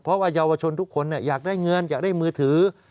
เพราะว่าเยาวชนทุกคนอยากได้เงินอยากได้มือถือ